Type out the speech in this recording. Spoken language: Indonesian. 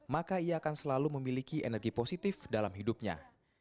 maka ia akan selalu memiliki energi positif dalam hidupnya